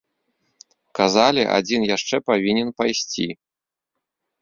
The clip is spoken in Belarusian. Казалі, адзін яшчэ павінен пайсці.